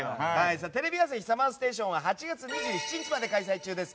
「テレビ朝日ＳＵＭＭＥＲＳＴＡＴＩＯＮ」は８月２７日まで開催中です。